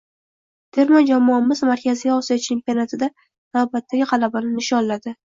Terma jamoamiz Markaziy Osiyo chempionatida navbatdagi g‘alabani nishonlading